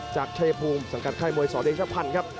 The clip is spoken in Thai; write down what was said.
จากเชภูมิสังกัดไข้มวยส่อเด็กเจ้าพันครับ